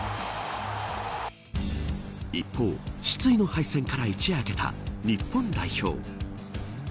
一方、失意の敗戦から一夜明けた日本代表。